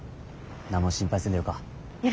何も心配せんでよか。